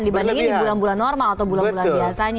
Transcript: dibandingin di bulan bulan normal atau bulan bulan biasanya